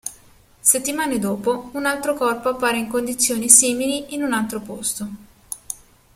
Settimane dopo, un altro corpo appare in condizioni simili in un altro posto.